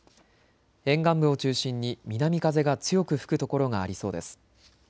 沿岸部を中心に南風が強く吹く所がありそうです。